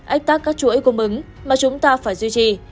ách tắc các chuỗi cung ứng mà chúng ta phải duy trì